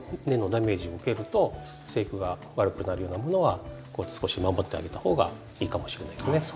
根のダメージ受けると生育が悪くなるようなものは少し守ってあげた方がいいかもしれないですね。